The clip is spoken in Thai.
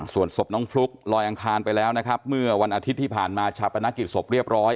ส่วนศพน้องฟลุ๊กลอยอังคารไปแล้วนะครับเมื่อวันอาทิตย์ที่ผ่านมาชาปนกิจศพเรียบร้อย